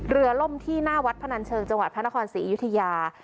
ล่มที่หน้าวัดพนันเชิงจังหวัดพระนครศรีอยุธยา